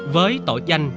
với tội danh